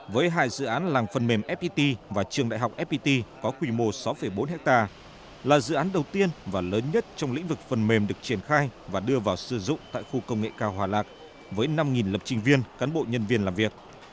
với hai dự án làng phần mềm fpt và trường đại học fpt có quy mô sáu bốn hectare là dự án đầu tiên và lớn nhất trong lĩnh vực phần mềm được triển khai và đưa vào sử dụng tại khu công nghệ cao hòa lạc với năm lập trình viên cán bộ nhân viên làm việc